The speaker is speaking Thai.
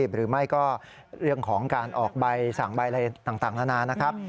หรือไม่ก็เรื่องของการออกใบสั่งใบอะไรต่างนานานะครับ